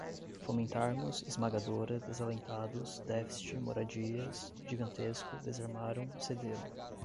Fomentarmos, esmagadora, desalentados, déficit, moradias, gigantesco, desarmaram, cederam